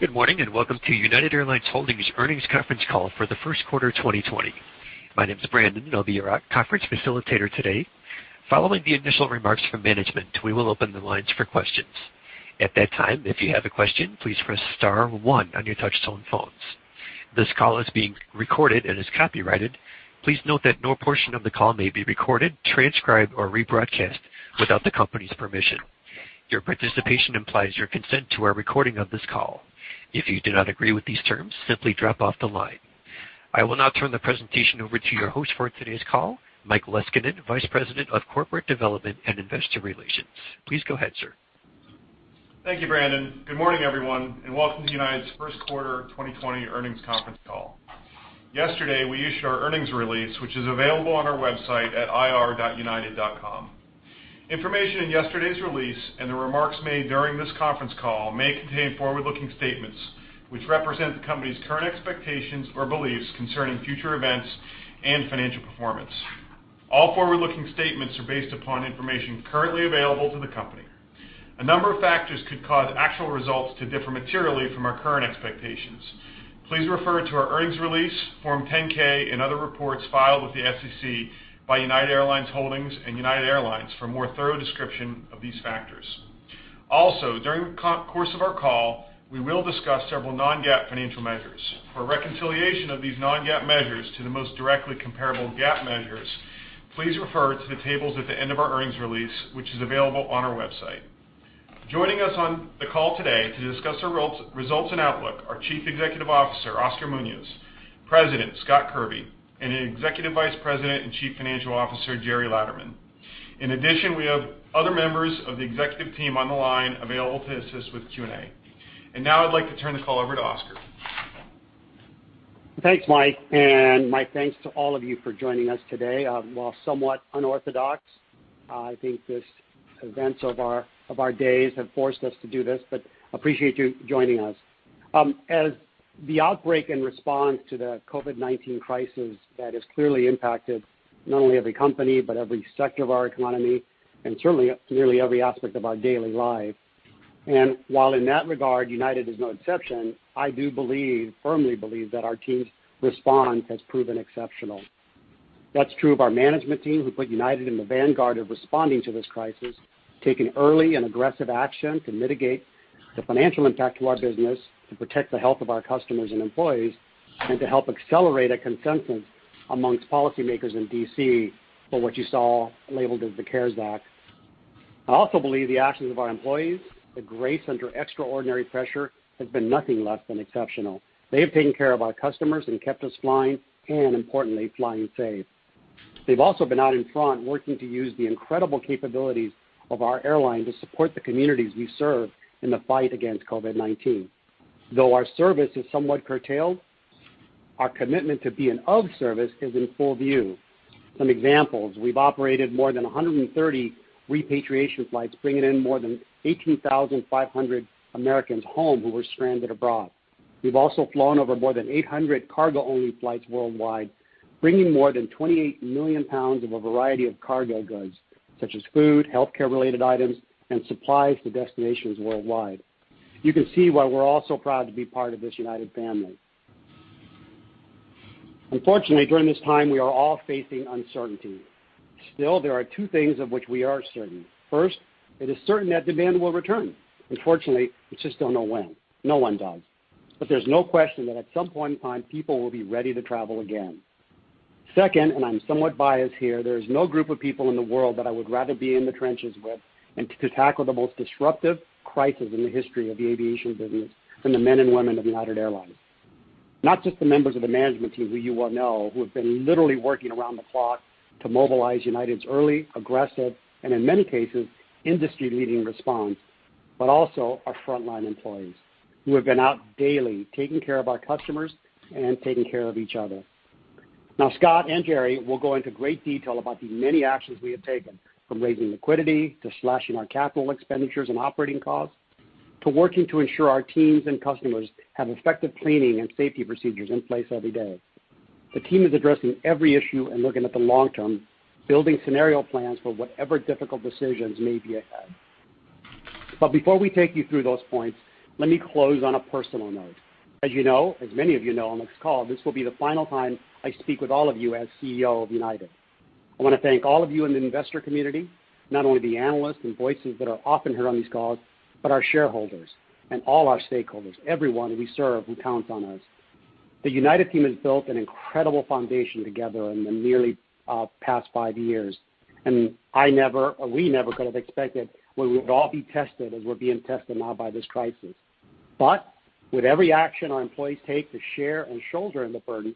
Good morning, and welcome to United Airlines Holdings earnings conference call for the first quarter 2020. My name is Brandon, and I'll be your conference facilitator today. Following the initial remarks from management, we will open the lines for questions. At that time, if you have a question, please press star one on your touch-tone phones. This call is being recorded and is copyrighted. Please note that no portion of the call may be recorded, transcribed, or rebroadcast without the company's permission. Your participation implies your consent to our recording of this call. If you do not agree with these terms, simply drop off the line. I will now turn the presentation over to your host for today's call, Mike Leskinen, Vice President of Corporate Development and Investor Relations. Please go ahead, sir. Thank you, Brandon. Good morning, everyone, and welcome to United's first quarter 2020 earnings conference call. Yesterday, we issued our earnings release, which is available on our website at ir.united.com. Information in yesterday's release and the remarks made during this conference call may contain forward-looking statements which represent the company's current expectations or beliefs concerning future events and financial performance. All forward-looking statements are based upon information currently available to the company. A number of factors could cause actual results to differ materially from our current expectations. Please refer to our earnings release, Form 10-K, and other reports filed with the SEC by United Airlines Holdings and United Airlines for a more thorough description of these factors. During the course of our call, we will discuss several non-GAAP financial measures. For a reconciliation of these non-GAAP measures to the most directly comparable GAAP measures, please refer to the tables at the end of our earnings release, which is available on our website. Joining us on the call today to discuss our results and outlook are Chief Executive Officer, Oscar Munoz; President, Scott Kirby; and Executive Vice President and Chief Financial Officer, Gerry Laderman. In addition, we have other members of the executive team on the line available to assist with Q&A. Now I'd like to turn the call over to Oscar. Thanks, Mike. Mike, thanks to all of you for joining us today. While somewhat unorthodox, I think these events of our days have forced us to do this, appreciate you joining us. As the outbreak and response to the COVID-19 crisis that has clearly impacted not only every company, but every sector of our economy, and certainly nearly every aspect of our daily life. While in that regard, United is no exception, I do firmly believe that our team's response has proven exceptional. That's true of our management team, who put United in the vanguard of responding to this crisis, taking early and aggressive action to mitigate the financial impact to our business, to protect the health of our customers and employees, and to help accelerate a consensus amongst policymakers in D.C. for what you saw labeled as the CARES Act. I also believe the actions of our employees, the grace under extraordinary pressure, has been nothing less than exceptional. They have taken care of our customers and kept us flying, and importantly, flying safe. They've also been out in front working to use the incredible capabilities of our airline to support the communities we serve in the fight against COVID-19. Though our service is somewhat curtailed, our commitment to be of service is in full view. Some examples. We've operated more than 130 repatriation flights, bringing in more than 18,500 Americans home who were stranded abroad. We've also flown over more than 800 cargo-only flights worldwide, bringing more than 28,000,000 lbs of a variety of cargo goods such as food, healthcare-related items, and supplies to destinations worldwide. You can see why we're all so proud to be part of this United family. Unfortunately, during this time, we are all facing uncertainty. Still, there are two things of which we are certain. First, it is certain that demand will return. Unfortunately, we just don't know when. No one does. There's no question that at some point in time, people will be ready to travel again. Second, and I'm somewhat biased here, there is no group of people in the world that I would rather be in the trenches with and to tackle the most disruptive crisis in the history of the aviation business than the men and women of United Airlines. Not just the members of the management team who you all know who have been literally working around the clock to mobilize United's early, aggressive, and in many cases, industry-leading response, but also our frontline employees who have been out daily taking care of our customers and taking care of each other. Now, Scott and Gerry will go into great detail about the many actions we have taken, from raising liquidity to slashing our capital expenditures and operating costs, to working to ensure our teams and customers have effective cleaning and safety procedures in place every day. The team is addressing every issue and looking at the long term, building scenario plans for whatever difficult decisions may be ahead. Before we take you through those points, let me close on a personal note. As many of you know on this call, this will be the final time I speak with all of you as CEO of United. I want to thank all of you in the investor community, not only the analysts and voices that are often heard on these calls, but our shareholders and all our stakeholders, everyone we serve who counts on us. The United team has built an incredible foundation together in the nearly past five years, and we never could have expected we would all be tested as we're being tested now by this crisis. With every action our employees take to share and shoulder in the burdens,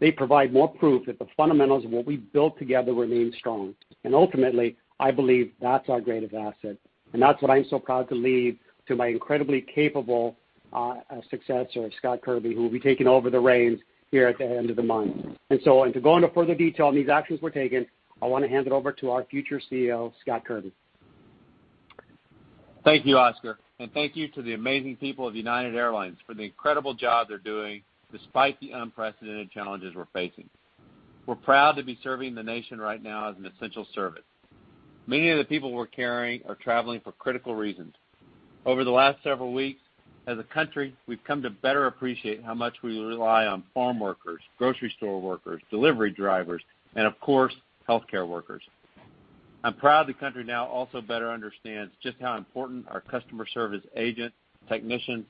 they provide more proof that the fundamentals of what we've built together remain strong. Ultimately, I believe that's our greatest asset, and that's what I'm so proud to leave to my incredibly capable successor, Scott Kirby, who will be taking over the reins here at the end of the month. To go into further detail on these actions we're taking, I want to hand it over to our future CEO, Scott Kirby. Thank you, Oscar, and thank you to the amazing people of United Airlines for the incredible job they're doing despite the unprecedented challenges we're facing. We're proud to be serving the nation right now as an essential service. Many of the people we're carrying are traveling for critical reasons. Over the last several weeks, as a country, we've come to better appreciate how much we rely on farm workers, grocery store workers, delivery drivers, and of course, healthcare workers. I'm proud the country now also better understands just how important our customer service agents, technicians,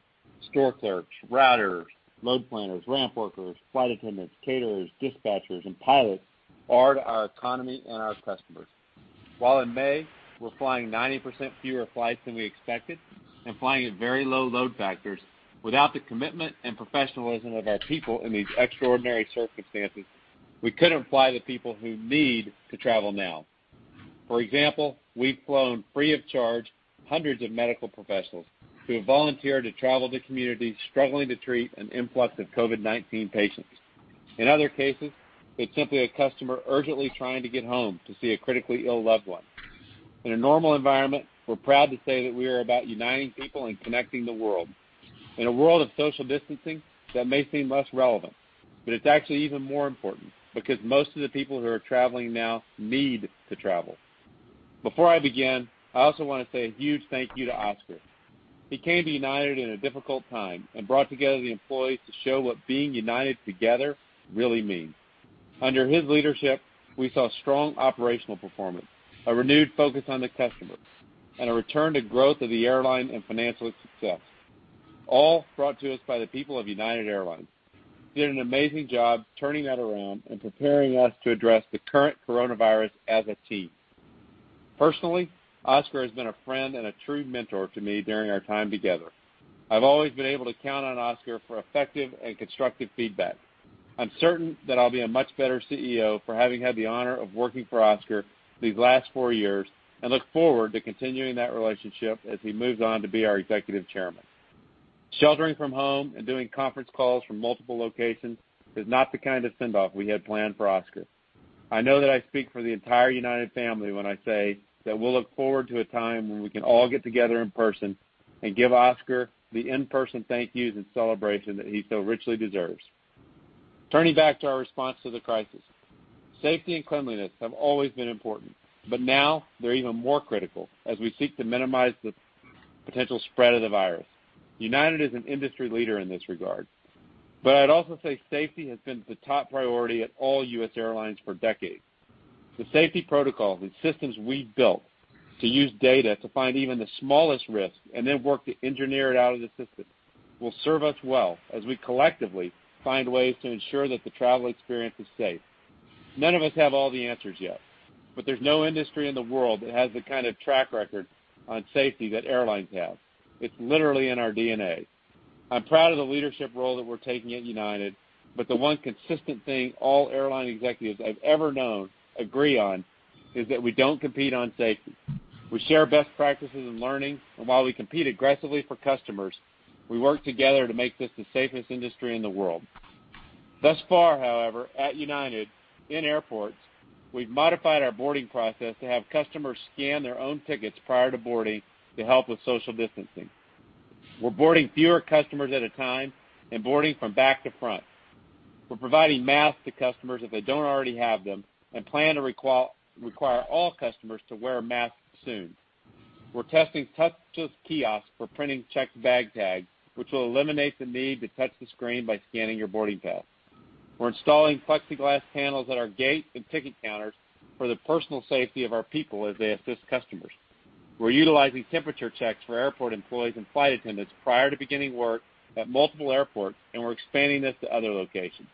store clerks, routers, load planners, ramp workers, flight attendants, caterers, dispatchers, and pilots are to our economy and our customers. While in May we're flying 90% fewer flights than we expected and flying at very low load factors, without the commitment and professionalism of our people in these extraordinary circumstances, we couldn't fly the people who need to travel now. For example, we've flown free of charge hundreds of medical professionals who have volunteered to travel to communities struggling to treat an influx of COVID-19 patients. In other cases, it is simply a customer urgently trying to get home to see a critically ill loved one. In a normal environment, we are proud to say that we are about uniting people and connecting the world. In a world of social distancing, that may seem less relevant, but it is actually even more important because most of the people who are traveling now need to travel. Before I begin, I also want to say a huge thank you to Oscar. He came to United in a difficult time and brought together the employees to show what being United together really means. Under his leadership, we saw strong operational performance, a renewed focus on the customer, and a return to growth of the airline and financial success, all brought to us by the people of United Airlines. He did an amazing job turning that around and preparing us to address the current coronavirus as a team. Personally, Oscar has been a friend and a true mentor to me during our time together. I've always been able to count on Oscar for effective and constructive feedback. I'm certain that I'll be a much better CEO for having had the honor of working for Oscar these last four years and look forward to continuing that relationship as he moves on to be our executive chairman. Sheltering from home and doing conference calls from multiple locations is not the kind of sendoff we had planned for Oscar. I know that I speak for the entire United family when I say that we'll look forward to a time when we can all get together in person and give Oscar the in-person thank yous and celebration that he so richly deserves. Turning back to our response to the crisis. Safety and cleanliness have always been important, but now they're even more critical as we seek to minimize the potential spread of the virus. United is an industry leader in this regard. I'd also say safety has been the top priority at all U.S. airlines for decades. The safety protocols and systems we've built to use data to find even the smallest risk and then work to engineer it out of the system will serve us well as we collectively find ways to ensure that the travel experience is safe. None of us have all the answers yet, but there's no industry in the world that has the kind of track record on safety that airlines have. It's literally in our DNA. I'm proud of the leadership role that we're taking at United, but the one consistent thing all airline executives I've ever known agree on is that we don't compete on safety. We share best practices and learning, and while we compete aggressively for customers, we work together to make this the safest industry in the world. Thus far, however, at United, in airports, we've modified our boarding process to have customers scan their own tickets prior to boarding to help with social distancing. We're boarding fewer customers at a time and boarding from back to front. We're providing masks to customers if they don't already have them and plan to require all customers to wear masks soon. We're testing touchless kiosks for printing checked bag tags, which will eliminate the need to touch the screen by scanning your boarding pass. We're installing plexiglass panels at our gate and ticket counters for the personal safety of our people as they assist customers. We're utilizing temperature checks for airport employees and flight attendants prior to beginning work at multiple airports, and we're expanding this to other locations.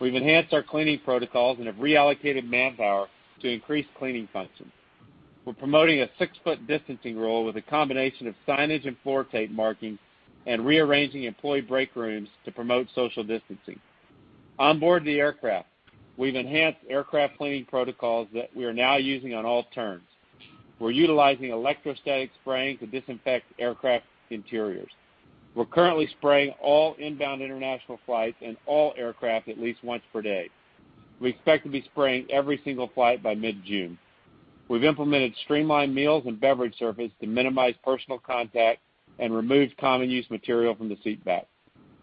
We've enhanced our cleaning protocols and have reallocated manpower to increase cleaning functions. We're promoting a six-foot distancing rule with a combination of signage and floor tape markings and rearranging employee break rooms to promote social distancing. On board the aircraft, we've enhanced aircraft cleaning protocols that we are now using on all turns. We're utilizing electrostatic spraying to disinfect aircraft interiors. We're currently spraying all inbound international flights and all aircraft at least once per day. We expect to be spraying every single flight by mid-June. We've implemented streamlined meals and beverage service to minimize personal contact and removed common use material from the seat back.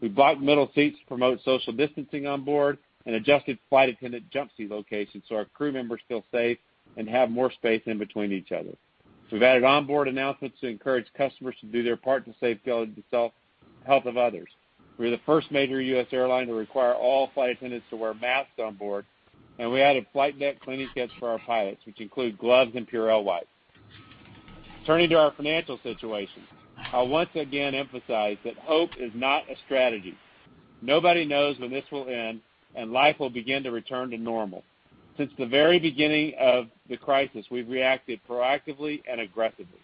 We blocked middle seats to promote social distancing on board and adjusted flight attendant jump seat locations so our crew members feel safe and have more space in between each other. We've added onboard announcements to encourage customers to do their part to safeguard the health of others. We're the first major U.S. airline to require all flight attendants to wear masks on board, and we added flight deck cleaning kits for our pilots, which include gloves and Purell wipes. Turning to our financial situation. I'll once again emphasize that hope is not a strategy. Nobody knows when this will end and life will begin to return to normal. Since the very beginning of the crisis, we've reacted proactively and aggressively.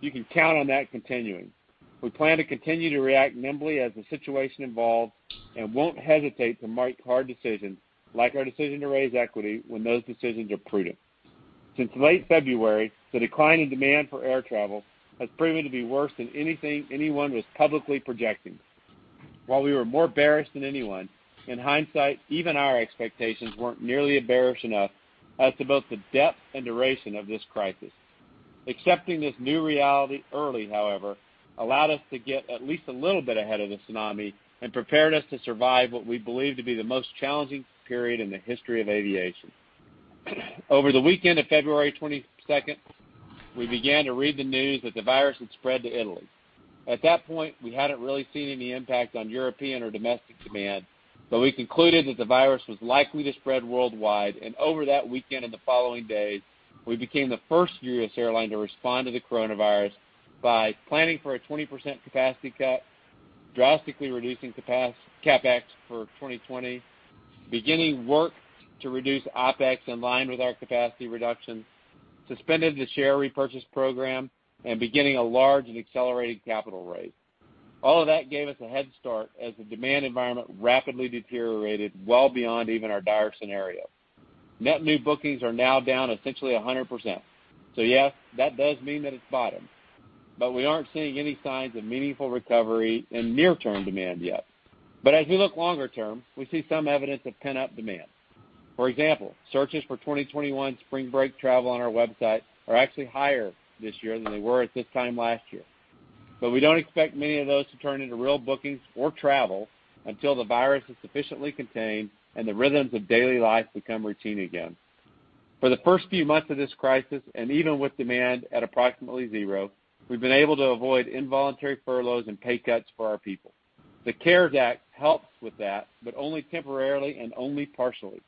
You can count on that continuing. We plan to continue to react nimbly as the situation evolves and won't hesitate to make hard decisions, like our decision to raise equity, when those decisions are prudent. Since late February, the decline in demand for air travel has proven to be worse than anything anyone was publicly projecting. While we were more bearish than anyone, in hindsight, even our expectations weren't nearly bearish enough as to both the depth and duration of this crisis. Accepting this new reality early, however, allowed us to get at least a little bit ahead of the tsunami and prepared us to survive what we believe to be the most challenging period in the history of aviation. Over the weekend of February 22nd, we began to read the news that the virus had spread to Italy. At that point, we hadn't really seen any impact on European or domestic demand, but we concluded that the virus was likely to spread worldwide, and over that weekend and the following days, we became the first U.S. airline to respond to the coronavirus by planning for a 20% capacity cut, drastically reducing CapEx for 2020, beginning work to reduce OpEx in line with our capacity reduction, suspended the share repurchase program, and beginning a large and accelerated capital raise. All of that gave us a head start as the demand environment rapidly deteriorated well beyond even our dire scenario. Net new bookings are now down essentially 100%. Yes, that does mean that it's bottomed, but we aren't seeing any signs of meaningful recovery in near-term demand yet. As we look longer term, we see some evidence of pent-up demand. For example, searches for 2021 spring break travel on our website are actually higher this year than they were at this time last year. We don't expect many of those to turn into real bookings or travel until the virus is sufficiently contained and the rhythms of daily life become routine again. For the first few months of this crisis, and even with demand at approximately zero, we've been able to avoid involuntary furloughs and pay cuts for our people. The CARES Act helps with that, but only temporarily and only partially.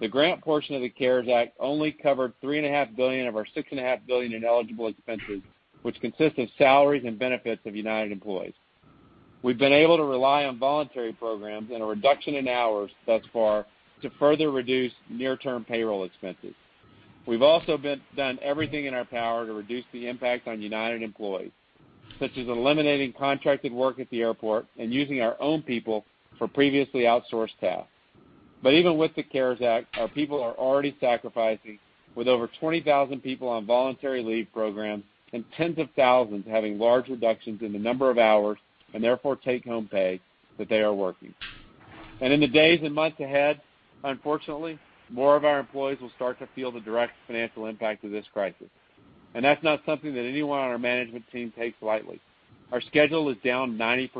The grant portion of the CARES Act only covered $3.5 billion of our $6.5 billion in eligible expenses, which consists of salaries and benefits of United employees. We've been able to rely on voluntary programs and a reduction in hours thus far to further reduce near-term payroll expenses. We've also done everything in our power to reduce the impact on United employees, such as eliminating contracted work at the airport and using our own people for previously outsourced tasks. Even with the CARES Act, our people are already sacrificing with over 20,000 people on voluntary leave programs and tens of thousands having large reductions in the number of hours, and therefore take-home pay, that they are working. In the days and months ahead, unfortunately, more of our employees will start to feel the direct financial impact of this crisis. That's not something that anyone on our management team takes lightly. Our schedule is down 90%,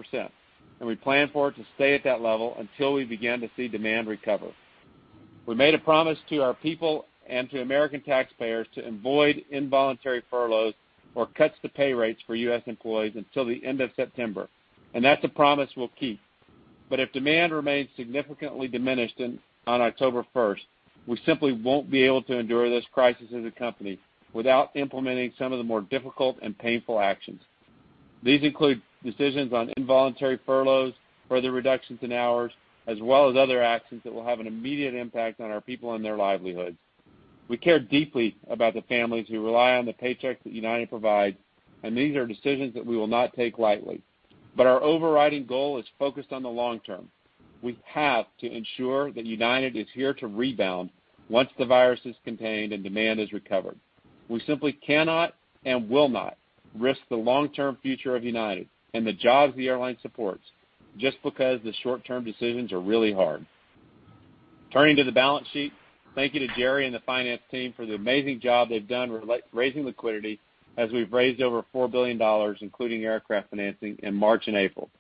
and we plan for it to stay at that level until we begin to see demand recover. We made a promise to our people and to American taxpayers to avoid involuntary furloughs or cuts to pay rates for U.S. employees until the end of September. That's a promise we'll keep. If demand remains significantly diminished on October 1st, we simply won't be able to endure this crisis as a company without implementing some of the more difficult and painful actions. These include decisions on involuntary furloughs, further reductions in hours, as well as other actions that will have an immediate impact on our people and their livelihoods. We care deeply about the families who rely on the paychecks that United provides. These are decisions that we will not take lightly. Our overriding goal is focused on the long term. We have to ensure that United is here to rebound once the virus is contained and demand is recovered. We simply cannot and will not risk the long-term future of United and the jobs the airline supports just because the short-term decisions are really hard. Turning to the balance sheet, thank you to Gerry and the finance team for the amazing job they've done raising liquidity, as we've raised over $4 billion, including aircraft financing in March and April.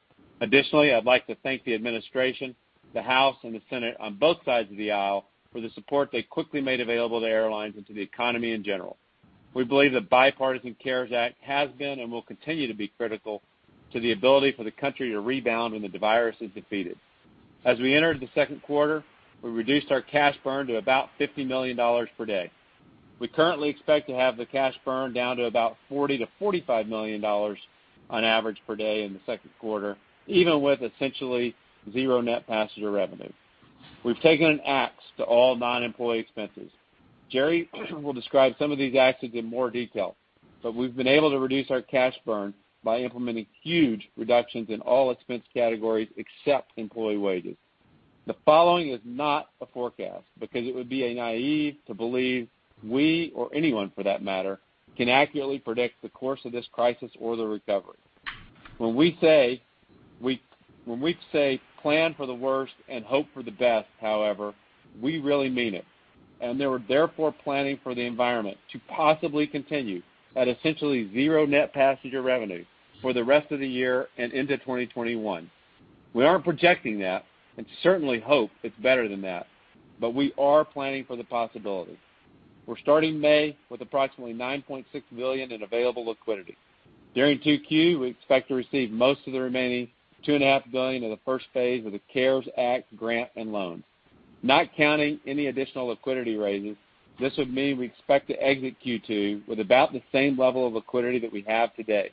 Additionally, I'd like to thank the administration, the House, and the Senate on both sides of the aisle for the support they quickly made available to airlines and to the economy in general. We believe the bipartisan CARES Act has been and will continue to be critical to the ability for the country to rebound when the virus is defeated. As we entered the second quarter, we reduced our cash burn to about $50 million per day. We currently expect to have the cash burn down to about $40 million-$45 million on average per day in the second quarter, even with essentially zero net passenger revenue. We've taken an ax to all non-employee expenses. Gerry will describe some of these actions in more detail, we've been able to reduce our cash burn by implementing huge reductions in all expense categories except employee wages. The following is not a forecast because it would be naive to believe we, or anyone for that matter, can accurately predict the course of this crisis or the recovery. When we say plan for the worst and hope for the best, however, we really mean it, they were therefore planning for the environment to possibly continue at essentially zero net passenger revenue for the rest of the year and into 2021. We aren't projecting that, and certainly hope it's better than that, but we are planning for the possibility. We're starting May with approximately $9.6 billion in available liquidity. During 2Q, we expect to receive most of the remaining $2.5 billion of the first phase of the CARES Act grant and loans. Not counting any additional liquidity raises, this would mean we expect to exit Q2 with about the same level of liquidity that we have today.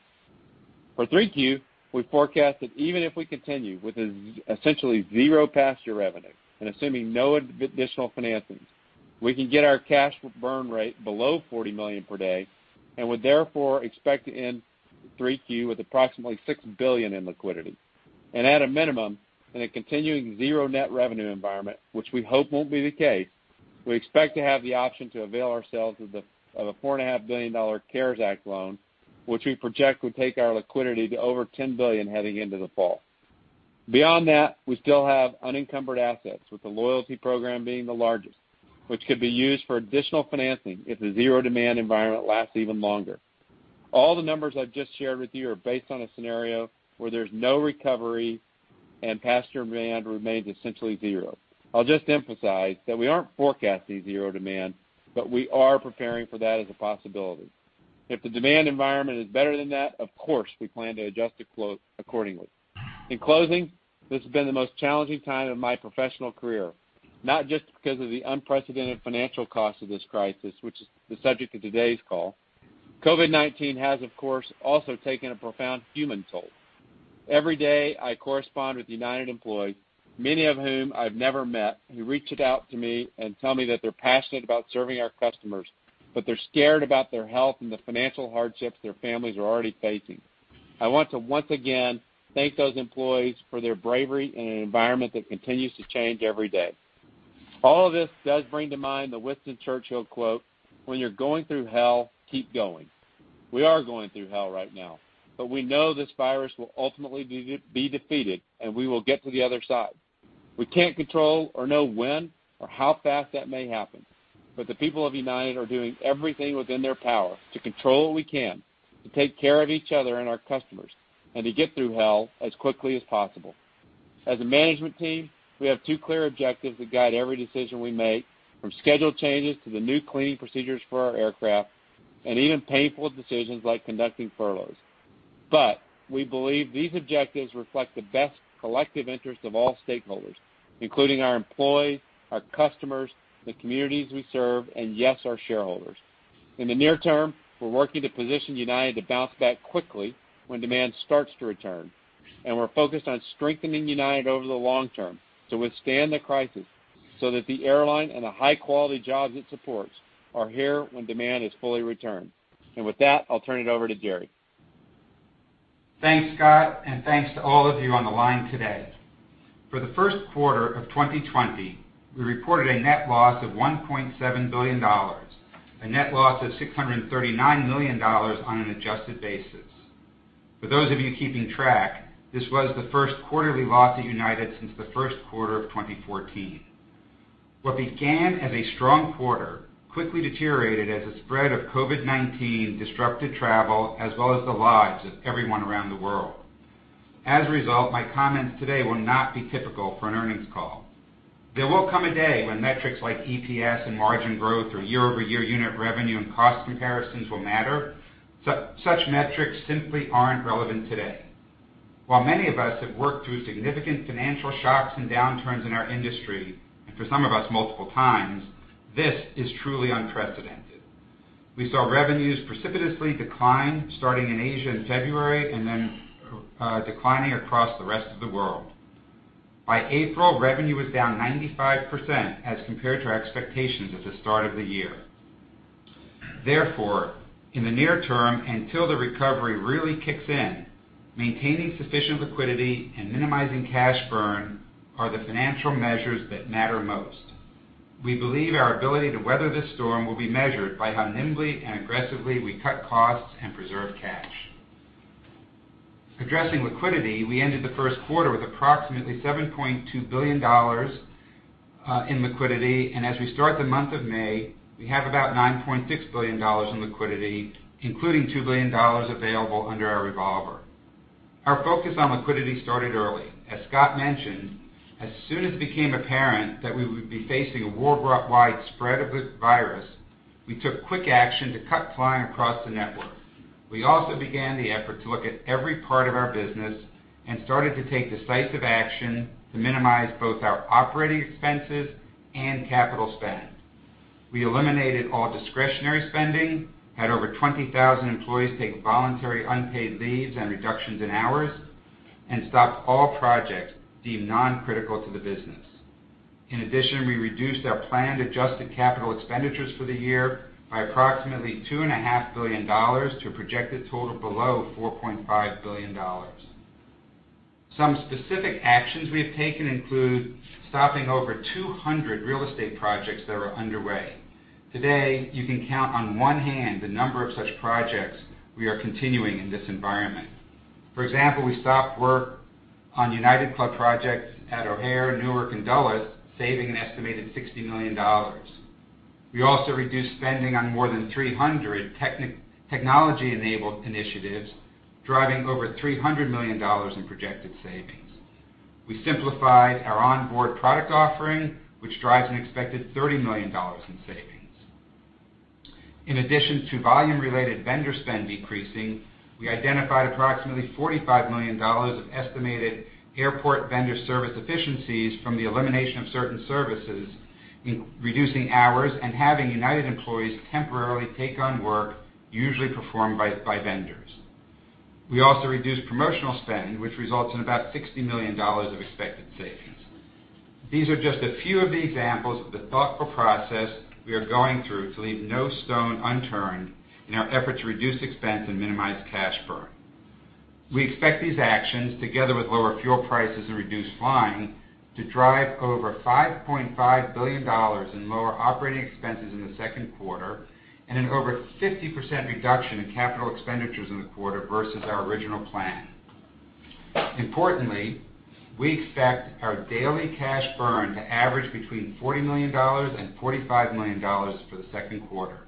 For 3Q, we forecast that even if we continue with essentially zero passenger revenue, and assuming no additional financings, we can get our cash burn rate below $40 million per day, and would therefore expect to end 3Q with approximately $6 billion in liquidity. At a minimum, in a continuing zero net revenue environment, which we hope won't be the case, we expect to have the option to avail ourselves of a $4.5 billion CARES Act loan, which we project would take our liquidity to over $10 billion heading into the fall. Beyond that, we still have unencumbered assets, with the loyalty program being the largest, which could be used for additional financing if the zero demand environment lasts even longer. All the numbers I've just shared with you are based on a scenario where there's no recovery and passenger demand remains essentially zero. I'll just emphasize that we aren't forecasting zero demand, but we are preparing for that as a possibility. If the demand environment is better than that, of course, we plan to adjust it accordingly. In closing, this has been the most challenging time of my professional career, not just because of the unprecedented financial cost of this crisis, which is the subject of today's call. COVID-19 has, of course, also taken a profound human toll. Every day, I correspond with United employees, many of whom I've never met, who reached out to me and tell me that they're passionate about serving our customers, but they're scared about their health and the financial hardships their families are already facing. I want to once again thank those employees for their bravery in an environment that continues to change every day. All of this does bring to mind the Winston Churchill quote, when you're going through hell, keep going. We are going through hell right now, but we know this virus will ultimately be defeated, and we will get to the other side. We can't control or know when or how fast that may happen, but the people of United are doing everything within their power to control what we can to take care of each other and our customers, and to get through hell as quickly as possible. As a management team, we have two clear objectives that guide every decision we make, from schedule changes to the new cleaning procedures for our aircraft, and even painful decisions like conducting furloughs. We believe these objectives reflect the best collective interest of all stakeholders, including our employees, our customers, the communities we serve, and yes, our shareholders. In the near term, we're working to position United to bounce back quickly when demand starts to return, and we're focused on strengthening United over the long term to withstand the crisis so that the airline and the high-quality jobs it supports are here when demand is fully returned. With that, I'll turn it over to Gerry. Thanks, Scott, and thanks to all of you on the line today. For the first quarter of 2020, we reported a net loss of $1.7 billion, a net loss of $639 million on an adjusted basis. For those of you keeping track, this was the first quarterly loss at United since the first quarter of 2014. What began as a strong quarter quickly deteriorated as the spread of COVID-19 disrupted travel as well as the lives of everyone around the world. My comments today will not be typical for an earnings call. There will come a day when metrics like EPS and margin growth or year-over-year unit revenue and cost comparisons will matter. Such metrics simply aren't relevant today. Many of us have worked through significant financial shocks and downturns in our industry, and for some of us, multiple times, this is truly unprecedented. We saw revenues precipitously decline starting in Asia in February and then declining across the rest of the world. By April, revenue was down 95% as compared to our expectations at the start of the year. In the near term, until the recovery really kicks in, maintaining sufficient liquidity and minimizing cash burn are the financial measures that matter most. We believe our ability to weather this storm will be measured by how nimbly and aggressively we cut costs and preserve cash. Addressing liquidity, we ended the first quarter with approximately $7.2 billion in liquidity, and as we start the month of May, we have about $9.6 billion in liquidity, including $2 billion available under our revolver. Our focus on liquidity started early. As Scott mentioned, as soon as it became apparent that we would be facing a worldwide spread of the virus, we took quick action to cut flying across the network. We also began the effort to look at every part of our business and started to take decisive action to minimize both our operating expenses and capital spend. We eliminated all discretionary spending, had over 20,000 employees take voluntary unpaid leaves and reductions in hours, and stopped all projects deemed non-critical to the business. In addition, we reduced our planned adjusted capital expenditures for the year by approximately $2.5 billion to a projected total below $4.5 billion. Some specific actions we have taken include stopping over 200 real estate projects that were underway. Today, you can count on one hand the number of such projects we are continuing in this environment. For example, we stopped work on United Club projects at O'Hare, Newark, and Dulles, saving an estimated $60 million. We also reduced spending on more than 300 technology-enabled initiatives, driving over $300 million in projected savings. We simplified our onboard product offering, which drives an expected $30 million in savings. In addition to volume-related vendor spend decreasing, we identified approximately $45 million of estimated airport vendor service efficiencies from the elimination of certain services in reducing hours and having United employees temporarily take on work usually performed by vendors. We also reduced promotional spend, which results in about $60 million of expected savings. These are just a few of the examples of the thoughtful process we are going through to leave no stone unturned in our effort to reduce expense and minimize cash burn. We expect these actions, together with lower fuel prices and reduced flying to drive over $5.5 billion in lower operating expenses in the second quarter and an over 50% reduction in capital expenditures in the quarter versus our original plan. Importantly, we expect our daily cash burn to average between $40 million and $45 million for the second quarter.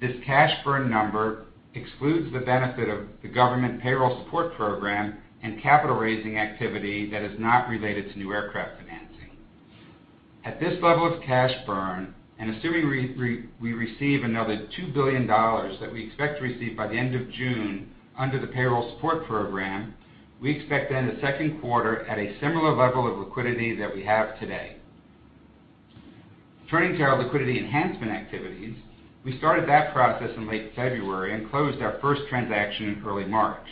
This cash burn number excludes the benefit of the government Payroll Support Program and capital raising activity that is not related to new aircraft financing. Assuming we receive another $2 billion that we expect to receive by the end of June under the Payroll Support Program, we expect to end the second quarter at a similar level of liquidity that we have today. Turning to our liquidity enhancement activities, we started that process in late February and closed our first transaction in early March.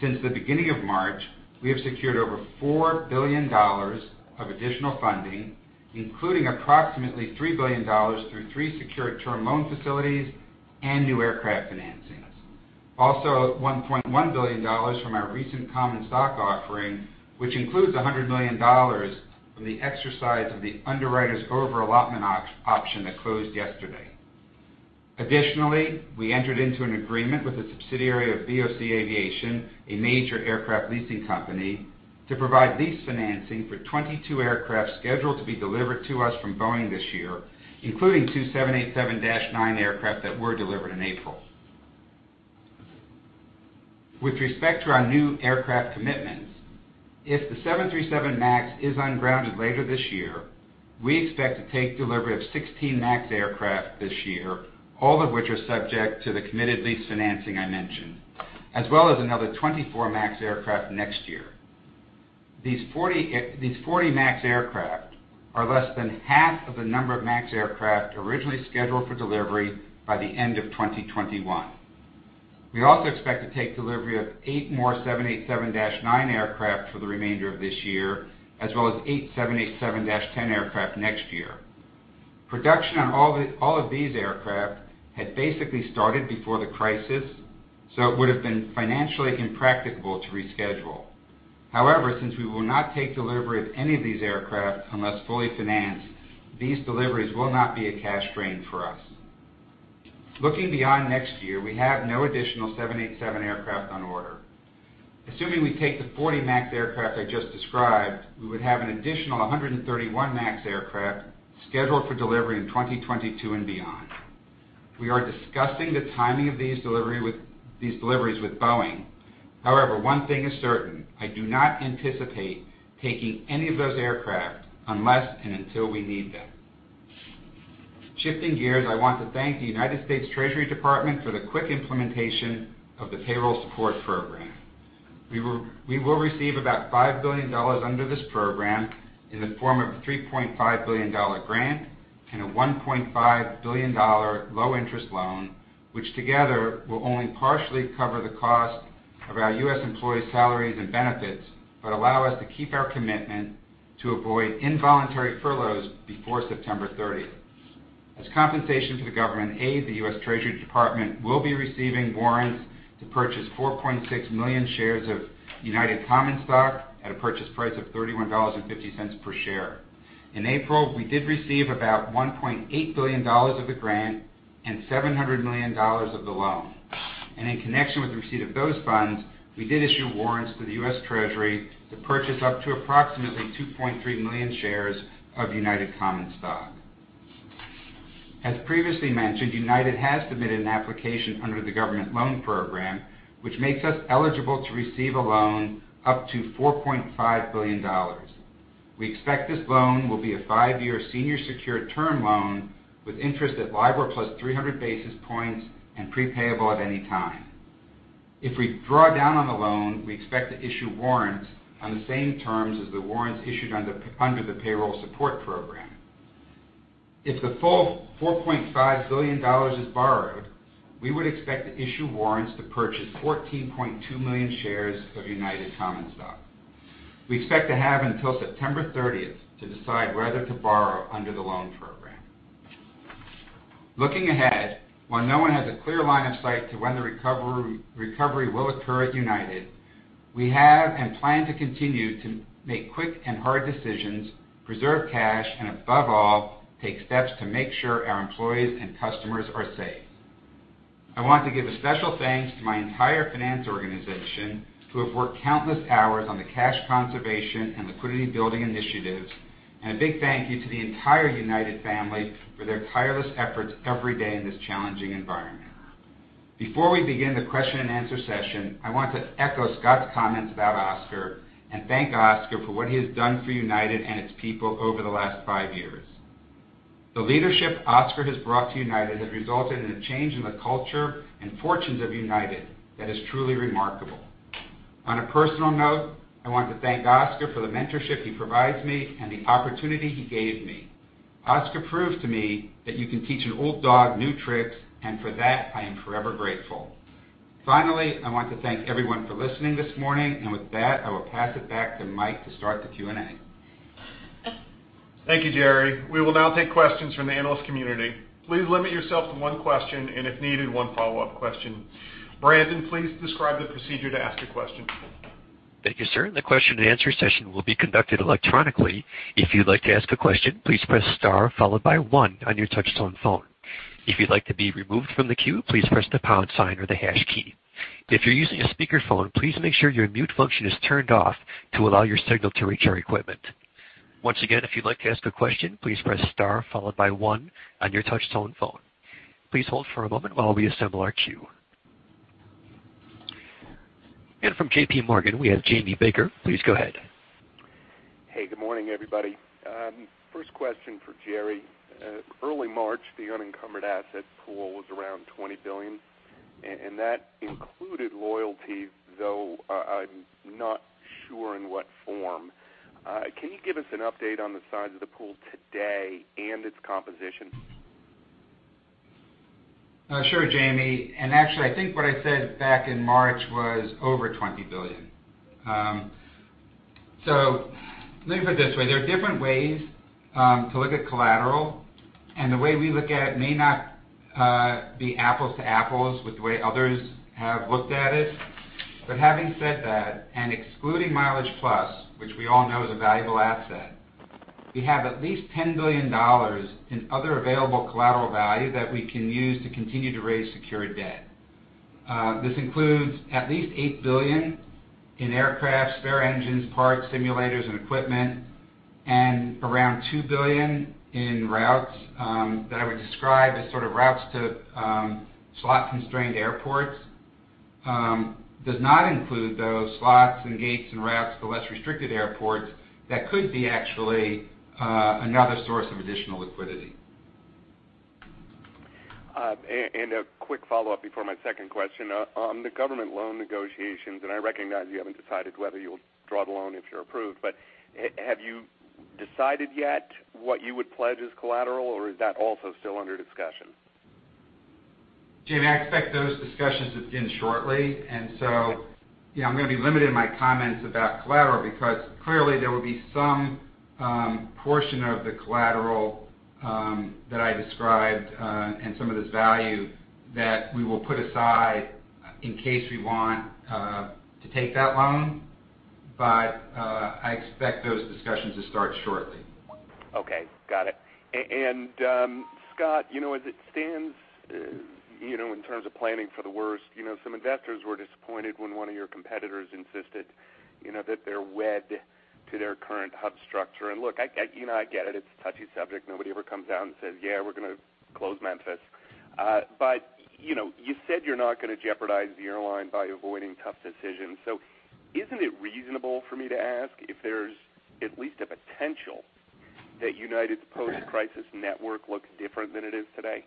Since the beginning of March, we have secured over $4 billion of additional funding, including approximately $3 billion through three secured term loan facilities and new aircraft financings. $1.1 billion from our recent common stock offering, which includes $100 million from the exercise of the underwriter's over-allotment option that closed yesterday. We entered into an agreement with a subsidiary of BOC Aviation, a major aircraft leasing company, to provide lease financing for 22 aircraft scheduled to be delivered to us from Boeing this year, including two 787-9 aircraft that were delivered in April. With respect to our new aircraft commitments, if the 737 MAX is ungrounded later this year, we expect to take delivery of 16 MAX aircraft this year, all of which are subject to the committed lease financing I mentioned, as well as another 24 MAX aircraft next year. These 40 MAX aircraft are less than half of the number of MAX aircraft originally scheduled for delivery by the end of 2021. We also expect to take delivery of eight more 787-9 aircraft for the remainder of this year, as well as eight 787-10 aircraft next year. Production on all of these aircraft had basically started before the crisis, so it would have been financially impracticable to reschedule. Since we will not take delivery of any of these aircraft unless fully financed, these deliveries will not be a cash drain for us. Looking beyond next year, we have no additional 787 aircraft on order. Assuming we take the 40 MAX aircraft I just described, we would have an additional 131 MAX aircraft scheduled for delivery in 2022 and beyond. We are discussing the timing of these deliveries with Boeing. One thing is certain, I do not anticipate taking any of those aircraft unless and until we need them. Shifting gears, I want to thank the United States Department of the Treasury for the quick implementation of the Payroll Support Program. We will receive about $5 billion under this program in the form of a $3.5 billion grant and a $1.5 billion low-interest loan, which together will only partially cover the cost of our U.S. employees' salaries and benefits, but allow us to keep our commitment to avoid involuntary furloughs before September 30th. As compensation to the government, the U.S. Department of the Treasury will be receiving warrants to purchase 4.6 million shares of United common stock at a purchase price of $31.50 per share. In April, we did receive about $1.8 billion of the grant and $700 million of the loan. In connection with the receipt of those funds, we did issue warrants to the U.S. Treasury to purchase up to approximately 2.3 million shares of United common stock. As previously mentioned, United has submitted an application under the government loan program, which makes us eligible to receive a loan up to $4.5 billion. We expect this loan will be a five-year senior secured term loan with interest at LIBOR plus 300 basis points and pre-payable at any time. If we draw down on the loan, we expect to issue warrants on the same terms as the warrants issued under the Payroll Support Program. If the full $4.5 billion is borrowed, we would expect to issue warrants to purchase 14.2 million shares of United common stock. We expect to have until September 30th to decide whether to borrow under the loan program. Looking ahead, while no one has a clear line of sight to when the recovery will occur at United, we have and plan to continue to make quick and hard decisions, preserve cash, and above all, take steps to make sure our employees and customers are safe. I want to give a special thanks to my entire finance organization, who have worked countless hours on the cash conservation and liquidity building initiatives, and a big thank you to the entire United family for their tireless efforts every day in this challenging environment. Before we begin the question and answer session, I want to echo Scott's comments about Oscar and thank Oscar for what he has done for United and its people over the last five years. The leadership Oscar has brought to United has resulted in a change in the culture and fortunes of United that is truly remarkable. On a personal note, I want to thank Oscar for the mentorship he provides me and the opportunity he gave me. Oscar proved to me that you can teach an old dog new tricks, and for that, I am forever grateful. Finally, I want to thank everyone for listening this morning. With that, I will pass it back to Mike to start the Q&A. Thank you, Gerry. We will now take questions from the analyst community. Please limit yourself to one question, and if needed, one follow-up question. Brandon, please describe the procedure to ask a question. Thank you, sir. The question-and-answer session will be conducted electronically. If you'd like to ask a question, please press star followed by one on your touch-tone phone. If you'd like to be removed from the queue, please press the pound sign or the hash key. If you're using a speakerphone, please make sure your mute function is turned off to allow your signal to reach our equipment. Once again, if you'd like to ask a question, please press star followed by one on your touch-tone phone. Please hold for a moment while we assemble our queue. From JPMorgan, we have Jamie Baker. Please go ahead. Hey, good morning, everybody. First question for Gerry. Early March, the unencumbered asset pool was around $20 billion, and that included loyalty, though I'm not sure in what form. Can you give us an update on the size of the pool today and its composition? Sure, Jamie. Actually, I think what I said back in March was over $20 billion. Let me put it this way. There are different ways to look at collateral, and the way we look at it may not be apples to apples with the way others have looked at it. Having said that, and excluding MileagePlus, which we all know is a valuable asset, we have at least $10 billion in other available collateral value that we can use to continue to raise secured debt. This includes at least $8 billion in aircraft, spare engines, parts, simulators, and equipment, and around $2 billion in routes that I would describe as sort of routes to slot-constrained airports. Does not include, though, slots and gates and routes to less restricted airports that could be actually another source of additional liquidity. A quick follow-up before my second question. On the government loan negotiations, and I recognize you haven't decided whether you'll draw the loan if you're approved, but have you decided yet what you would pledge as collateral, or is that also still under discussion? Jamie, I expect those discussions to begin shortly, and so I'm going to be limited in my comments about collateral because clearly there will be some portion of the collateral that I described and some of this value that we will put aside in case we want to take that loan. I expect those discussions to start shortly. Scott, as it stands in terms of planning for the worst, some investors were disappointed when one of your competitors insisted that they're wed to their current hub structure. Look, I get it. It's a touchy subject. Nobody ever comes out and says, yeah, we're gonna close Memphis. You said you're not gonna jeopardize the airline by avoiding tough decisions. Isn't it reasonable for me to ask if there's at least a potential that United's post-crisis network looks different than it is today?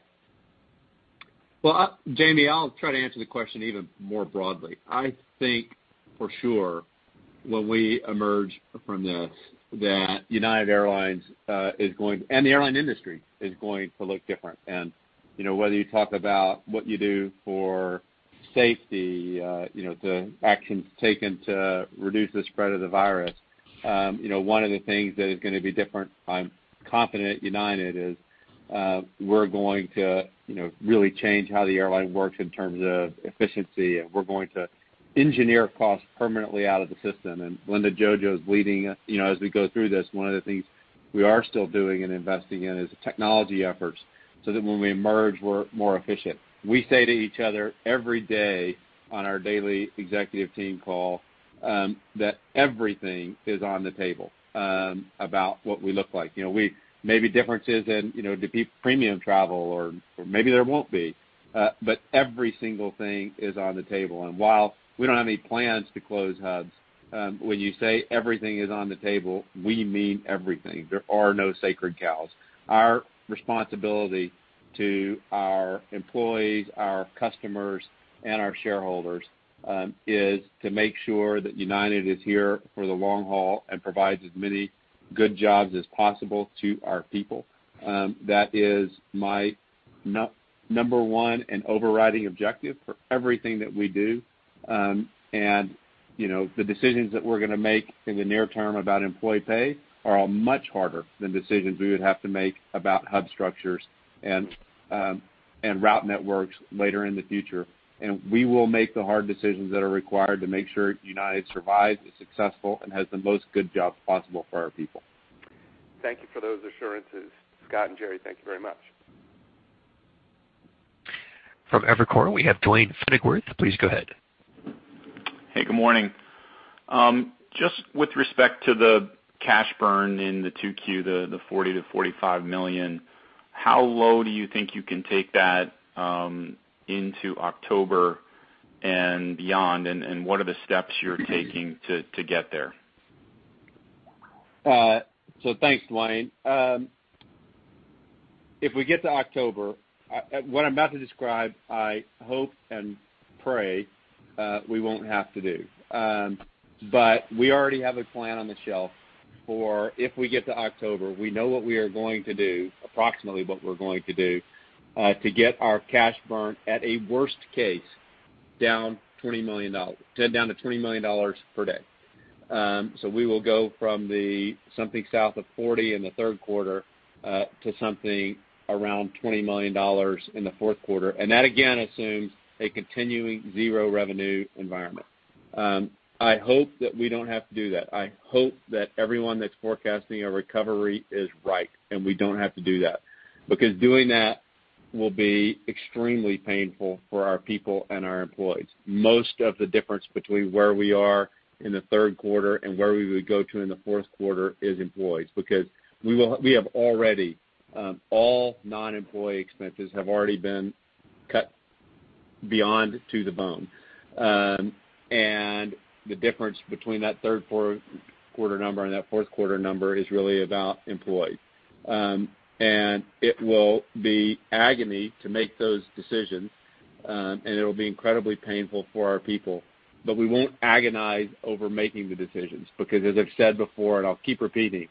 Well, Jamie, I'll try to answer the question even more broadly. I think for sure when we emerge from this, that United Airlines is gonna, and the airline industry is gonna look different. Whether you talk about what you do for safety, the actions taken to reduce the spread of the virus, one of the things that is gonna be different, I'm confident at United, is we're going to really change how the airline works in terms of efficiency, and we're going to engineer costs permanently out of the system. Linda Jojo is leading us as we go through this. One of the things we are still doing and investing in is the technology efforts so that when we emerge, we're more efficient. We say to each other every day on our daily executive team call that everything is on the table about what we look like. Maybe differences in premium travel or maybe there won't be. Every single thing is on the table. While we don't have any plans to close hubs, when you say everything is on the table, we mean everything. There are no sacred cows. Our responsibility to our employees, our customers, and our shareholders is to make sure that United is here for the long haul and provides as many good jobs as possible to our people. That is my number one and overriding objective for everything that we do. The decisions that we're gonna make in the near term about employee pay are all much harder than decisions we would have to make about hub structures and route networks later in the future. We will make the hard decisions that are required to make sure United survives, is successful, and has the most good jobs possible for our people. Thank you for those assurances, Scott and Gerry. Thank you very much. From Evercore, we have Duane Pfennigwerth. Please go ahead. Hey, good morning. Just with respect to the cash burn in the 2Q, the $40 million-$45 million, how low do you think you can take that into October and beyond, and what are the steps you're taking to get there? Thanks, Duane. If we get to October, what I'm about to describe, I hope and pray we won't have to do. We already have a plan on the shelf for if we get to October. We know what we are going to do, approximately what we're going to do to get our cash burn at a worst case down to $20 million per day. We will go from something south of $40 million in the third quarter to something around $20 million in the fourth quarter. That, again, assumes a continuing zero revenue environment. I hope that we don't have to do that. I hope that everyone that's forecasting a recovery is right, and we don't have to do that. Doing that will be extremely painful for our people and our employees. Most of the difference between where we are in the third quarter and where we would go to in the fourth quarter is employees. All non-employee expenses have already been cut beyond to the bone. The difference between that third quarter number and that fourth quarter number is really about employees. It will be agony to make those decisions, and it'll be incredibly painful for our people. We won't agonize over making the decisions, because as I've said before, and I'll keep repeating,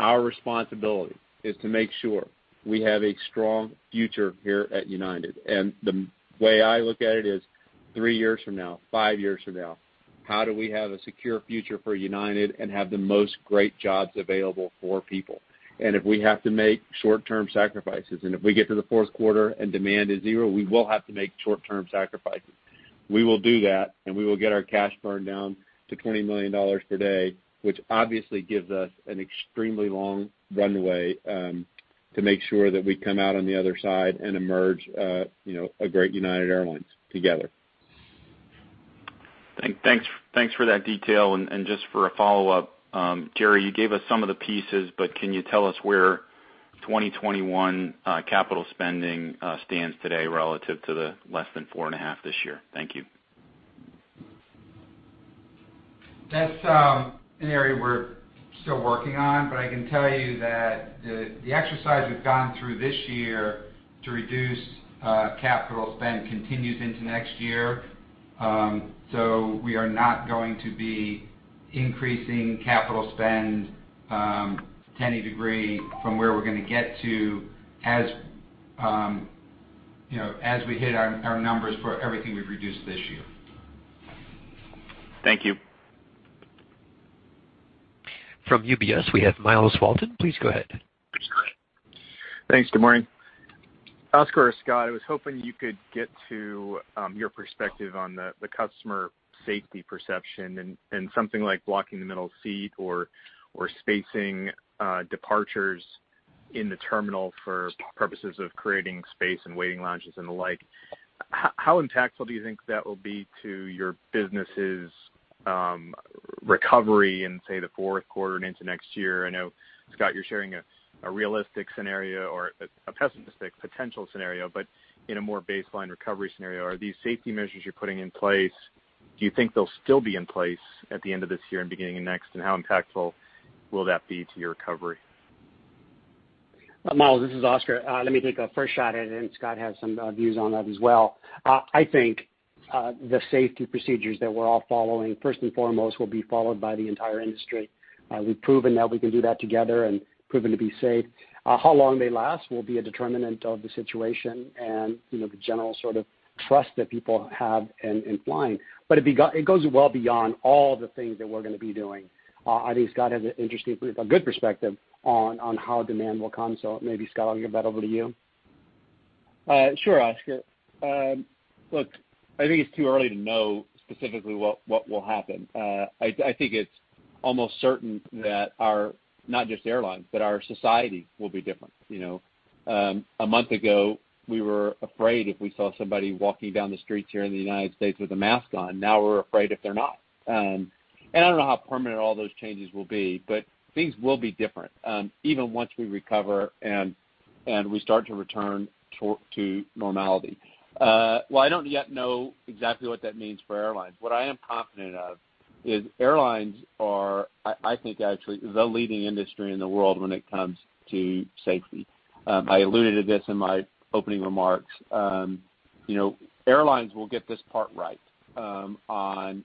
our responsibility is to make sure we have a strong future here at United. The way I look at it is, three years from now, five years from now, how do we have a secure future for United and have the most great jobs available for people? If we have to make short-term sacrifices, and if we get to the fourth quarter and demand is zero, we will have to make short-term sacrifices. We will do that, and we will get our cash burn down to $20 million per day, which obviously gives us an extremely long runway to make sure that we come out on the other side and emerge a great United Airlines together. Thanks for that detail. Just for a follow-up, Gerry, you gave us some of the pieces, but can you tell us where 2021 capital spending stands today relative to the less than four and a half this year? Thank you. That's an area we're still working on. I can tell you that the exercise we've gone through this year to reduce capital spend continues into next year. We are not going to be increasing capital spend to any degree from where we're going to get to as we hit our numbers for everything we've reduced this year. Thank you. From UBS, we have Myles Walton. Please go ahead. Thanks. Good morning. Oscar or Scott, I was hoping you could get to your perspective on the customer safety perception and something like blocking the middle seat or spacing departures in the terminal for purposes of creating space in waiting lounges and the like. How impactful do you think that will be to your business's recovery in, say, the fourth quarter and into next year? I know, Scott, you're sharing a realistic scenario or a pessimistic potential scenario, in a more baseline recovery scenario, are these safety measures you're putting in place, do you think they'll still be in place at the end of this year and beginning of next, and how impactful will that be to your recovery? Myles, this is Oscar. Let me take a first shot at it, and Scott has some views on that as well. I think the safety procedures that we're all following, first and foremost, will be followed by the entire industry. We've proven that we can do that together and proven to be safe. How long they last will be a determinant of the situation and the general sort of trust that people have in flying. It goes well beyond all the things that we're going to be doing. I think Scott has a good perspective on how demand will come, maybe, Scott, I'll give that over to you. Sure, Oscar. Look, I think it's too early to know specifically what will happen. I think it's almost certain that our, not just airlines, but our society will be different. A month ago, we were afraid if we saw somebody walking down the streets here in the United States with a mask on. Now we're afraid if they're not. I don't know how permanent all those changes will be, but things will be different, even once we recover and we start to return to normality. While I don't yet know exactly what that means for airlines, what I am confident of is airlines are, I think, actually the leading industry in the world when it comes to safety. I alluded to this in my opening remarks. Airlines will get this part right on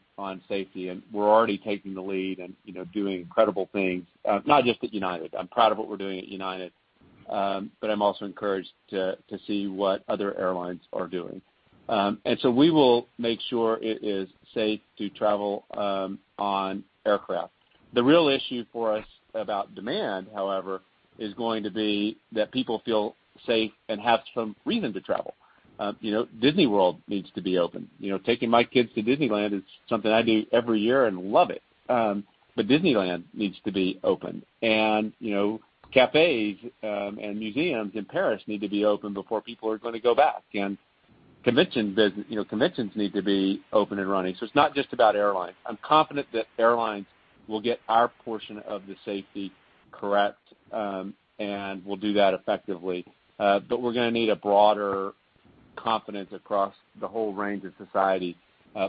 safety, and we're already taking the lead and doing incredible things, not just at United. I'm proud of what we're doing at United, but I'm also encouraged to see what other airlines are doing. We will make sure it is safe to travel on aircraft. The real issue for us about demand, however, is going to be that people feel safe and have some reason to travel. Disney World needs to be open. Taking my kids to Disneyland is something I do every year and love it, but Disneyland needs to be open. Cafes and museums in Paris need to be open before people are going to go back. Conventions need to be open and running. It's not just about airlines. I'm confident that airlines will get our portion of the safety correct, and we'll do that effectively. We're going to need a broader confidence across the whole range of society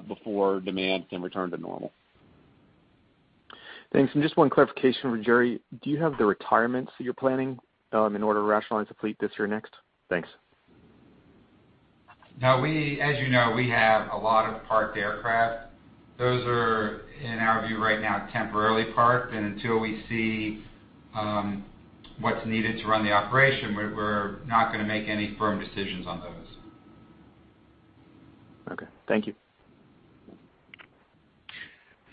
before demand can return to normal. Thanks. Just one clarification for Gerry. Do you have the retirements that you're planning in order to rationalize the fleet this year next? Thanks. No. As you know, we have a lot of parked aircraft. Those are, in our view right now, temporarily parked, and until we see what's needed to run the operation, we're not going to make any firm decisions on those. Okay. Thank you.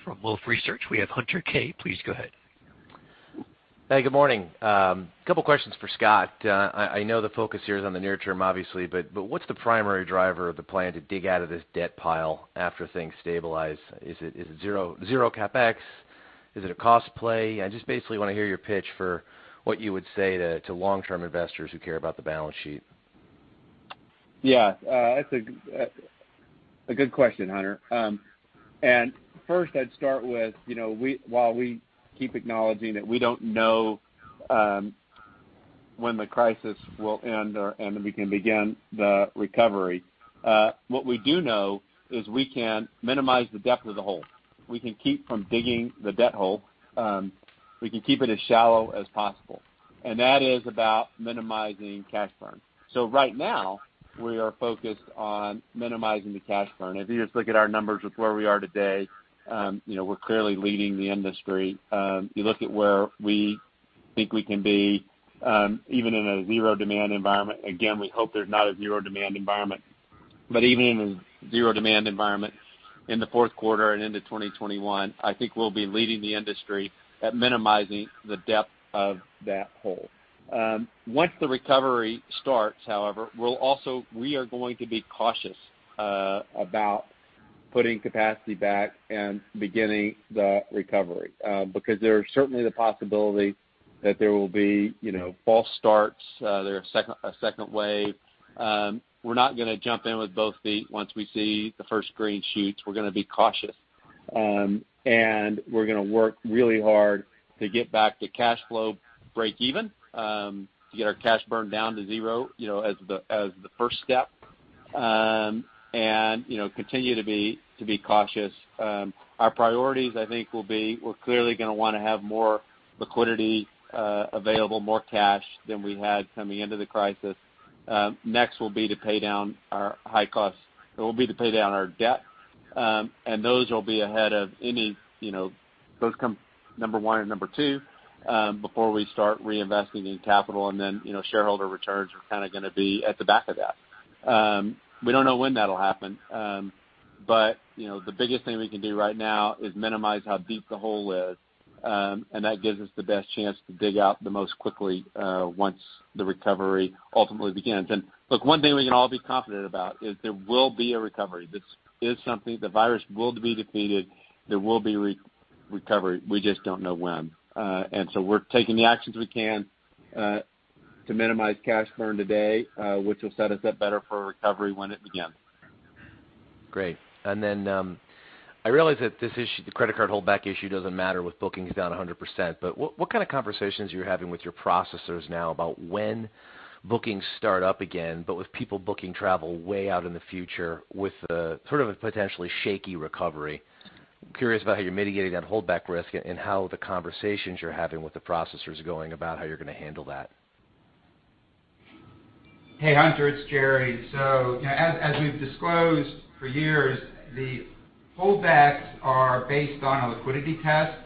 From Wolfe Research, we have Hunter Keay. Please go ahead. Hey, good morning. A couple of questions for Scott. What's the primary driver of the plan to dig out of this debt pile after things stabilize? Is it zero CapEx? Is it a cost play? I just basically want to hear your pitch for what you would say to long-term investors who care about the balance sheet. Yeah. That's a good question, Hunter. First I'd start with, while we keep acknowledging that we don't know when the crisis will end or we can begin the recovery, what we do know is we can minimize the depth of the hole. We can keep from digging the debt hole. We can keep it as shallow as possible, That is about minimizing cash burn. Right now, we are focused on minimizing the cash burn. If you just look at our numbers with where we are today, we're clearly leading the industry. You look at where we think we can be, even in a zero-demand environment. Again, we hope there's not a zero-demand environment, Even in a zero-demand environment in the fourth quarter and into 2021, I think we'll be leading the industry at minimizing the depth of that hole. Once the recovery starts, however, we are going to be cautious about putting capacity back and beginning the recovery because there is certainly the possibility that there will be false starts, there a second wave. We're not going to jump in with both feet once we see the first green shoots. We're going to be cautious. We're going to work really hard to get back to cash flow breakeven, to get our cash burn down to zero, as the first step, and continue to be cautious. Our priorities, I think, we're clearly going to want to have more liquidity available, more cash than we had coming into the crisis. Next will be to pay down our debt. Those come number one and number two, before we start reinvesting in capital, and then shareholder returns are going to be at the back of that. We don't know when that'll happen. The biggest thing we can do right now is minimize how deep the hole is, and that gives us the best chance to dig out the most quickly once the recovery ultimately begins. Look, one thing we can all be confident about is there will be a recovery. This is something, the virus will be defeated, there will be recovery. We just don't know when. We're taking the actions we can to minimize cash burn today, which will set us up better for a recovery when it begins. Great. I realize that the credit card holdback issue doesn't matter with bookings down 100%, but what kind of conversations are you having with your processors now about when bookings start up again, but with people booking travel way out in the future with a sort of a potentially shaky recovery? I'm curious about how you're mitigating that holdback risk and how the conversations you're having with the processors are going about how you're going to handle that. Hey, Hunter. It's Gerry. As we've disclosed for years, the holdbacks are based on a liquidity test.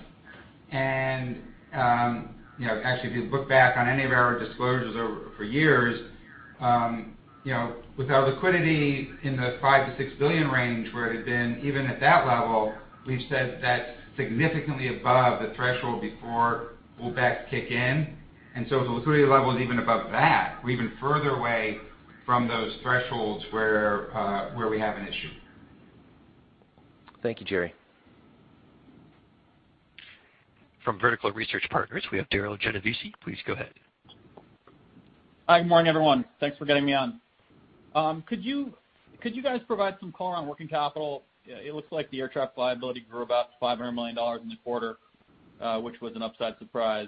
Actually, if you look back on any of our disclosures for years, with our liquidity in the $5 billion-$6 billion range where it had been, even at that level, we've said that's significantly above the threshold before holdbacks kick in. If the liquidity level is even above that, we're even further away from those thresholds where we have an issue. Thank you, Gerry. From Vertical Research Partners, we have Darryl Genovesi. Please go ahead. Hi, good morning, everyone. Thanks for getting me on. Could you guys provide some color on working capital? It looks like the air traffic liability grew about $500 million in the quarter, which was an upside surprise.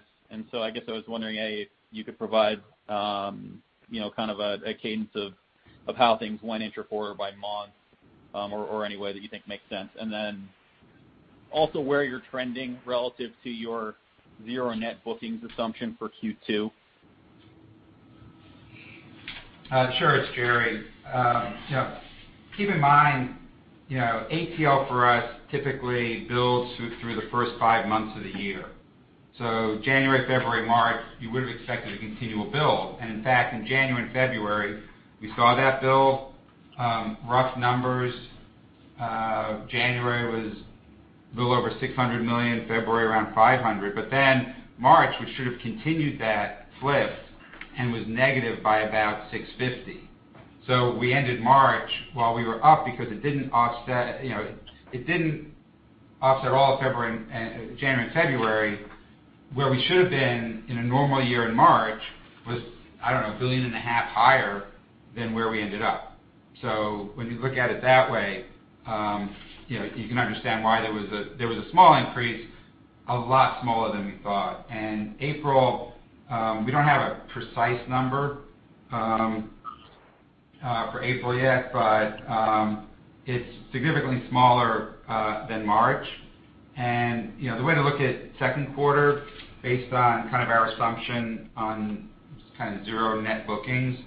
I guess I was wondering, A, if you could provide a cadence of how things went inter-quarter by month, or any way that you think makes sense. Where you're trending relative to your zero net bookings assumption for Q2. Sure. It's Gerry. Keep in mind, ATL for us typically builds through the first five months of the year. January, February, March, you would have expected to continue to build, and in fact, in January and February, we saw that build. Rough numbers, January was a little over $600 million, February around $500 million. March, we should have continued that lift and was negative by about $650 million. We ended March, while we were up because it didn't offset at all January and February, where we should have been in a normal year in March was, I don't know, a billion and a half higher than where we ended up. When you look at it that way, you can understand why there was a small increase, a lot smaller than we thought. April, we don't have a precise number for April yet, but it's significantly smaller than March. The way to look at second quarter, based on our assumption on zero net bookings,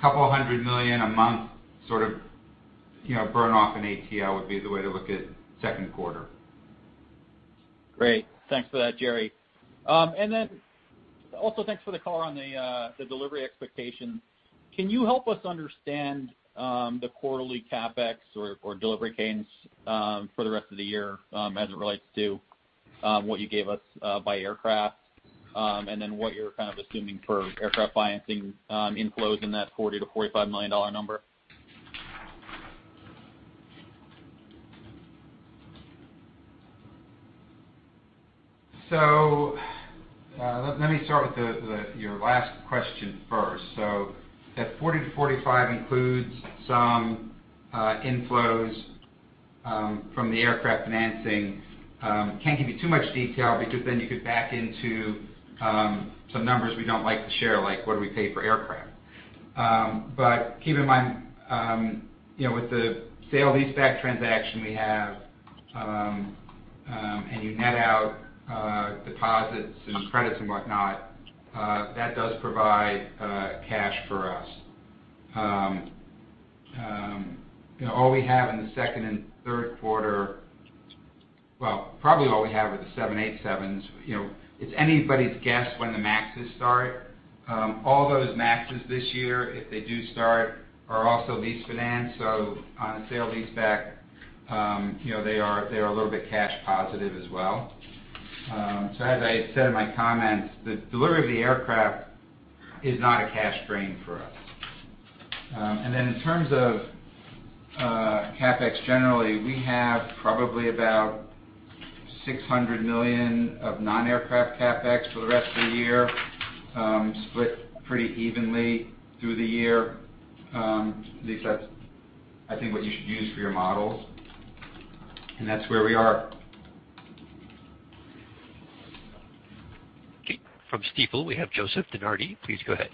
couple of hundred million a month Burn off in ATL would be the way to look at second quarter. Great. Thanks for that, Gerry. Also thanks for the color on the delivery expectations. Can you help us understand the quarterly CapEx or delivery cadence for the rest of the year as it relates to what you gave us by aircraft and then what you're kind of assuming for aircraft financing inflows in that $40 million-$45 million number? Let me start with your last question first. That $40 million-$45 million includes some inflows from the aircraft financing. Can't give you too much detail because you could back into some numbers we don't like to share, like what do we pay for aircraft. Keep in mind, with the sale-leaseback transaction we have, you net out deposits and credits and whatnot, that does provide cash for us. All we have in the second and third quarter, well, probably all we have are the 787s. It's anybody's guess when the MAXs start. All those MAXs this year, if they do start, are also lease finance. On a sale-leaseback, they are a little bit cash positive as well. As I said in my comments, the delivery of the aircraft is not a cash drain for us. In terms of CapEx generally, we have probably about $600 million of non-aircraft CapEx for the rest of the year, split pretty evenly through the year. At least that's, I think, what you should use for your models. That's where we are. Okay. From Stifel, we have Joseph DeNardi. Please go ahead.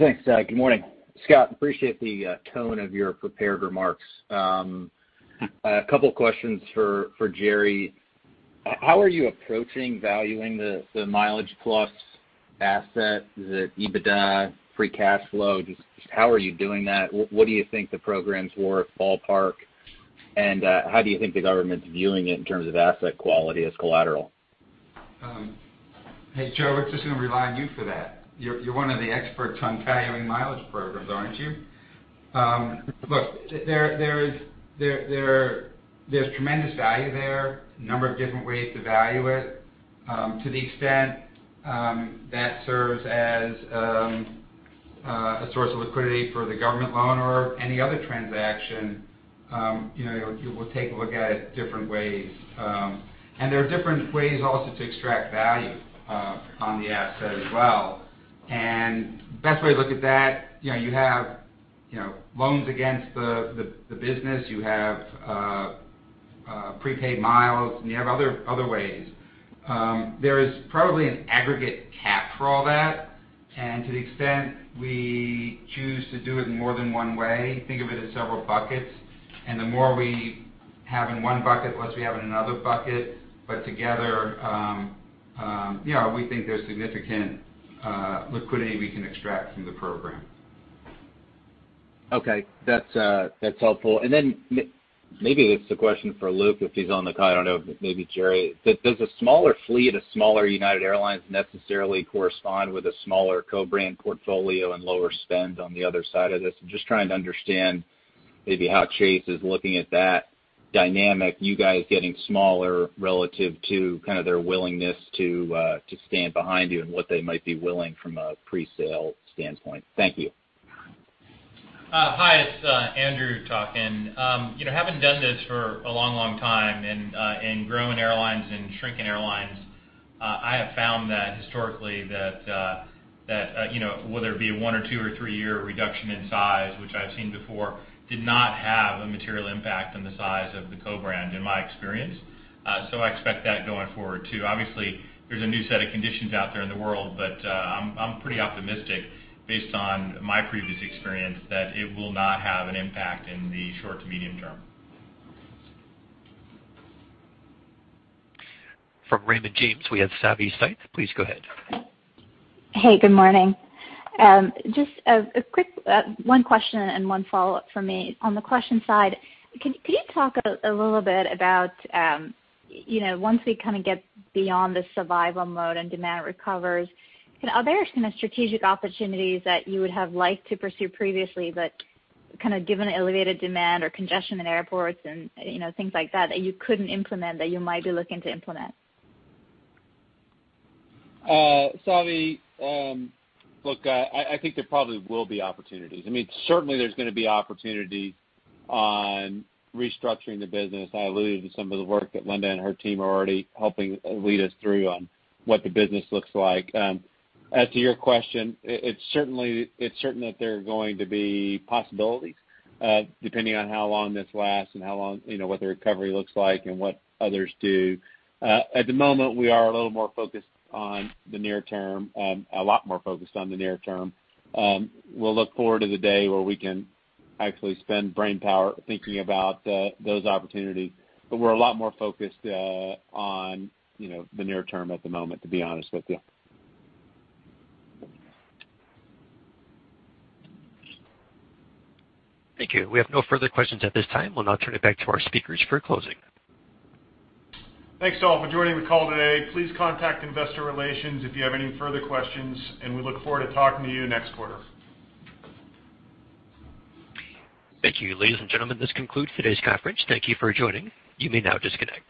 Thanks. Good morning. Scott, appreciate the tone of your prepared remarks. A couple of questions for Gerry. How are you approaching valuing the MileagePlus asset? Is it EBITDA? Free cash flow? Just how are you doing that? What do you think the program's worth, ballpark? How do you think the government's viewing it in terms of asset quality as collateral? Hey, Joe, we're just going to rely on you for that. You're one of the experts on valuing mileage programs, aren't you? Look, there's tremendous value there. Number of different ways to value it. To the extent that serves as a source of liquidity for the government loan or any other transaction, you will take a look at it different ways. There are different ways also to extract value on the asset as well. Best way to look at that, you have loans against the business. You have prepaid miles, and you have other ways. There is probably an aggregate cap for all that. To the extent we choose to do it more than one way, think of it as several buckets. The more we have in one bucket, less we have in another bucket. Together, we think there's significant liquidity we can extract from the program. Okay. That's helpful. Maybe it's a question for Luc if he's on the call. I don't know, maybe Gerry. Does a smaller fleet, a smaller United Airlines necessarily correspond with a smaller co-brand portfolio and lower spend on the other side of this? I'm just trying to understand maybe how Chase is looking at that dynamic, you guys getting smaller relative to kind of their willingness to stand behind you and what they might be willing from a pre-sale standpoint. Thank you. Hi, it's Andrew talking. Having done this for a long time and growing airlines and shrinking airlines, I have found that historically that whether it be a one- or two- or three-year reduction in size, which I've seen before, did not have a material impact on the size of the co-brand in my experience. I expect that going forward, too. Obviously, there's a new set of conditions out there in the world, but I'm pretty optimistic based on my previous experience that it will not have an impact in the short to medium term. From Raymond James, we have Savi Syth. Please go ahead. Hey, good morning. Just a quick one question and one follow-up from me. On the question side, can you talk a little bit about once we kind of get beyond the survival mode and demand recovers, are there kind of strategic opportunities that you would have liked to pursue previously but kind of given the elevated demand or congestion in airports and things like that you couldn't implement that you might be looking to implement? Savi, look, I mean, certainly there's going to be opportunities on restructuring the business. I alluded to some of the work that Linda and her team are already helping lead us through on what the business looks like. As to your question, it's certain that there are going to be possibilities depending on how long this lasts and what the recovery looks like and what others do. At the moment, we are a little more focused on the near term, a lot more focused on the near term. We'll look forward to the day where we can actually spend brainpower thinking about those opportunities, but we're a lot more focused on the near term at the moment, to be honest with you. Thank you. We have no further questions at this time. We'll now turn it back to our speakers for closing. Thanks, all, for joining the call today. Please contact investor relations if you have any further questions. We look forward to talking to you next quarter. Thank you. Ladies and gentlemen, this concludes today's conference. Thank you for joining. You may now disconnect.